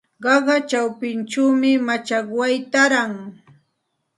Qaqa chawpinchawmi machakway taaran.